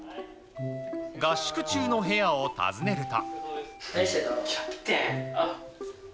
合宿中の部屋を訪ねると。